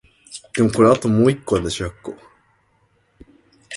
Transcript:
The torque hung from a golden chain.